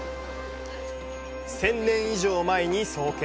１０００年以上前に創建。